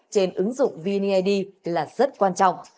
trên ứng dụng vneid là rất quan trọng